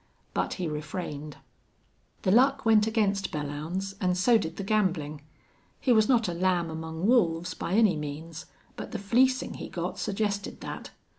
But he refrained. The luck went against Belllounds and so did the gambling. He was not a lamb among wolves, by any means, but the fleecing he got suggested that.